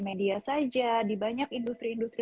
media saja di banyak industri industri